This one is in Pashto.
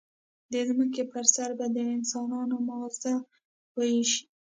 د ځمکې پر سر به د انسانانو ماغزه وایشي.